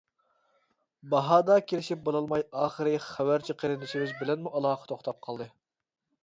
باھادا كېلىشىپ بولالماي ئاخىرى خەۋەرچى قېرىندىشىمىز بىلەنمۇ ئالاقە توختاپ قالدى.